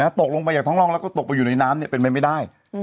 นะฮะตกลงไปอย่างท้องร่องแล้วก็ตกไปอยู่ในน้ำเนี่ยเป็นเป็นไม่ได้อืม